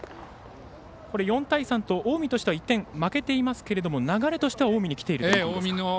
４対３と近江としては１点負けていますが流れとしては近江にきているとみていいですか。